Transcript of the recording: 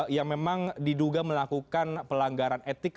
yang memang diduga melakukan pelanggaran etik